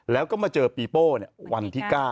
แล้วก็มาเจอปีโป้วันที่๙